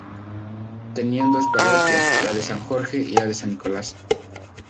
Tenía dos parroquias, la de San Jorge y la de San Nicolás.